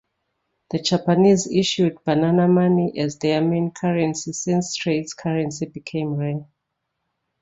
The Japanese issued banana money as their main currency since Straits currency became rare.